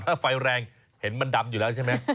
ถ้าไฟแรงเห็นมันดำอยู่แล้วใช่ไหม